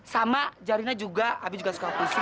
sama zarina juga abi juga suka pusing